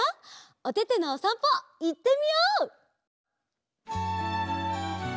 おててのおさんぽいってみよう！